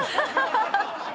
アハハハ！